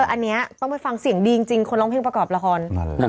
อันนี้ต้องไปฟังเสียงดีจริงคนร้องเพลงประกอบละคร